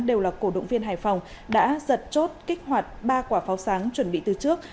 đều là cổ động viên hải phòng đã giật chốt kích hoạt ba quả pháo sáng chuẩn bị từ trước